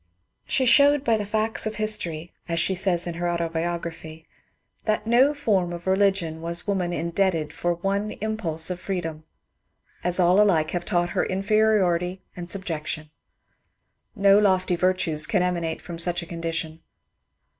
She showed 286 MONCURE DANIEL CONWAY by the facts of history, as she says in her autobiography, ^^ that to no form of religion was woman indebted for one im pulse of freedom, as all alike have taught her inferiority and subjection. No lofty virtues can emanate from such a condi tion."